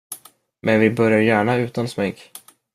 Men vi börjar gärna utan smink.